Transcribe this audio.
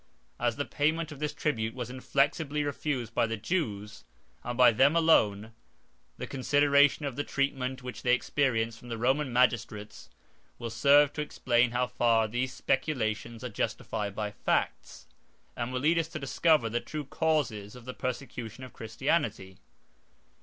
As the payment of this tribute was inflexibly refused by the Jews, and by them alone, the consideration of the treatment which they experienced from the Roman magistrates, will serve to explain how far these speculations are justified by facts, and will lead us to discover the true causes of the persecution of Christianity.